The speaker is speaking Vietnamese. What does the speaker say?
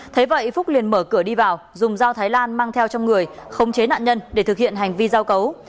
thế vậy phúc liền mở cửa đi vào dùng dao thái lan mang theo trong người khống chế nạn nhân để thực hiện hành vi giao cấu